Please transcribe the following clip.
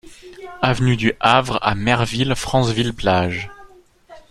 Avenue du Havre à Merville-Franceville-Plage